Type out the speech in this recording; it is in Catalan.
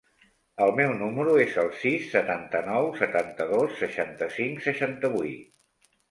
El meu número es el sis, setanta-nou, setanta-dos, seixanta-cinc, seixanta-vuit.